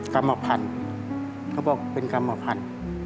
กรรมพันธุ์เขาบอกเป็นกรรมพันธุ์